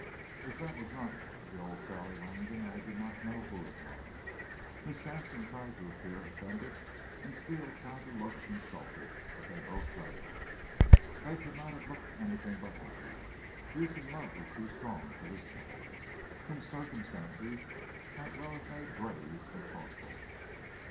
If that was not the old Sally Langdon I did not know who it was. Miss Sampson tried to appear offended, and Steele tried to look insulted, but they both failed. They could not have looked anything but happy. Youth and love were too strong for this couple, whom circumstances might well have made grave and thoughtful.